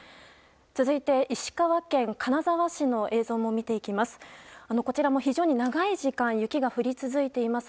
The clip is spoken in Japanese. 続いて、石川県金沢市の映像も見ていきます。